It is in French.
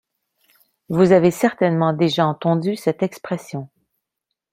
Vous avez certainement déjà entendu cette expression.